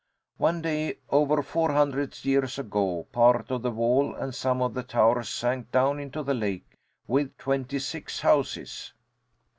One day, over four hundred years ago, part of the wall and some of the towers sank down into the lake with twenty six houses.